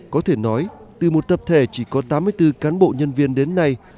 có thể nói từ một tập thể chỉ có tám mươi bốn cán bộ nhân viên đến nay